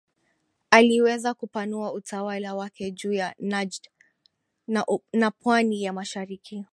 aliweza kupanua utawala wake juu ya Najd na pwani ya mashariki